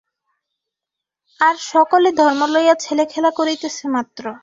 আর সকলে ধর্ম লইয়া ছেলেখেলা করিতেছে মাত্র।